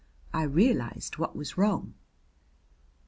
I realized what was wrong.